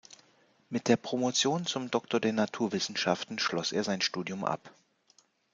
Mit der Promotion zum Doktor der Naturwissenschaften schloss er sein Studium ab.